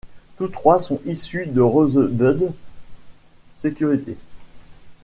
Tous trois sont issus de Rosebud Sécurité.